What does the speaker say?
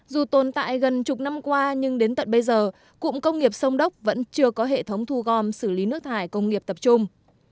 dù tồn tại gần chục năm qua nhưng đến tận bây giờ cụm công nghiệp sông đốc vẫn chưa có hệ thống thu gom xử lý nước thải công nghiệp tập trung